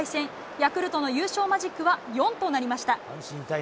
ヤクルトの優勝マジックは４となりました。